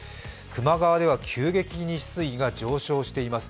球磨川では急激に水位が上昇しています。